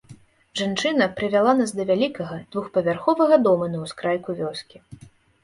Жанчына прывяла нас да вялікага двухпавярховага дома на ўскрайку вёскі.